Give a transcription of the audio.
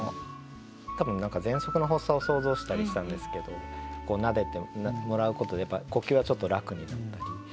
多分ぜんそくの発作を想像したりしたんですけど撫でてもらうことでやっぱ呼吸がちょっと楽になったり。